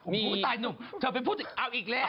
ฮีผมดูตายแต่หนึ่งเธอไปพูดเอาอีกแล้ว